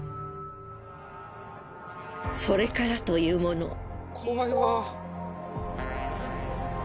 それからというもの。